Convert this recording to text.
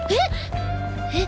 えっ！